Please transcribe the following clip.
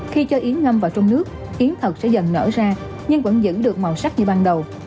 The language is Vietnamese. khi cho yến ngâm vào trong nước yến thật sẽ dần nở ra nhưng vẫn giữ được màu sắc như ban đầu